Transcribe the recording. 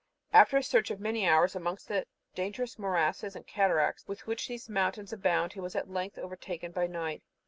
After a search of many hours amongst the dangerous morasses and cataracts with which these mountains abound, he was at length overtaken by night.